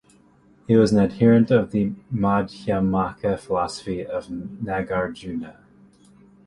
He was an adherent of the Madhyamaka philosophy of Nagarjuna.